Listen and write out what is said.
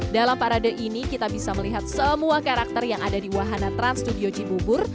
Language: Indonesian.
dalam parade ini kita bisa melihat semua karakter yang ada di wahana trans studio cibubur